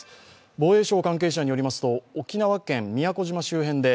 防衛省関係者によりますと沖縄県宮古島周辺で